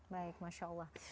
baik masya allah